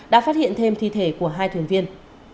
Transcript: đã phát hiện thêm thi thể của hai thuyền viên